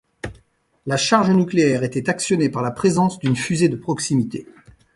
La charge nucléaire était actionnée par la présence d'une fusée de proximité.